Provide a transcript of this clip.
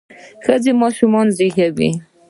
ښځه ماشوم زیږوي.